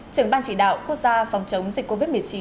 trưởng ban chỉ đạo quốc gia phòng chống dịch covid một mươi chín